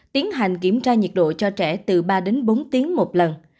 tiến hành kiểm tra nhiệt độ cho trẻ từ ba đến bốn tiếng một lần